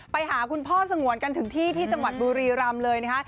ไปหาคุณพ่อสงวนกันถึงที่ที่จังหวัดบุรีรำเลยนะคะ